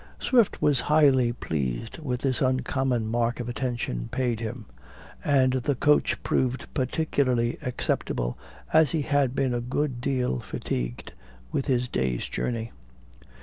Swift was highly pleased with this uncommon mark of attention paid him; and the coach proved particularly acceptable, as he had been a good deal fatigued with his day's journey.